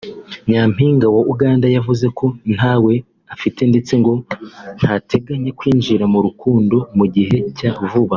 Nyampinga wa Uganda yavuze ko ntawe afite ndetse ngo ntateganya kwinjira mu rukundo mu gihe cya vuba